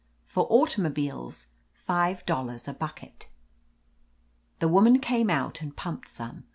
For automobiles, five dollars a bucket." The woman came out and piunped some.